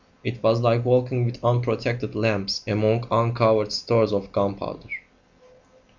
It was like walking with unprotected lamps among uncovered stores of gun powder.